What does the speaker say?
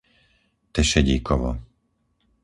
Tešedíkovo